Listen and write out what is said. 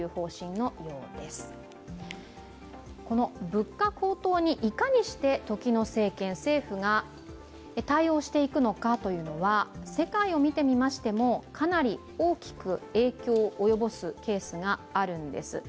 物価高騰にいかにして、政府が対応していくのかというのは世界を見てみましてもかなり大きく影響を及ぼすケースがあるんです。